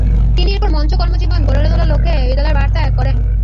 তিনি এরপর মঞ্চে কর্মজীবন গড়ার লক্ষ্যে বিদ্যালয়ের পাঠ ত্যাগ করেন।